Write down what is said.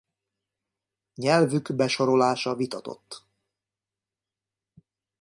Nyelvük besorolása vitatott.